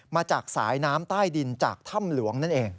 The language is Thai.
มาจากสายน้ำใต้ดินจากถ้ำหลวงนั่นเอง